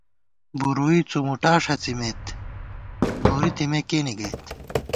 بُورُوئی څُومُوٹا ݭَڅی مِت ، نوری تېمے کېنے گَئیت